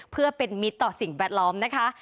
เพื่อเป็นมิตรต่อสิ่งแวดล้อมนะคะ